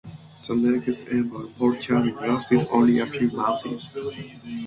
The next envoy, Paul Canning, lasted only a few months.